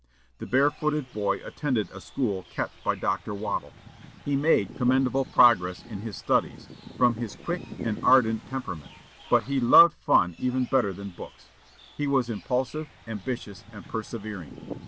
The barefooted boy attended a school kept by Dr. Waddell. He made commendable progress in his studies, from his quick and ardent temperament, but he loved fun even better than books. He was impulsive, ambitious, and persevering.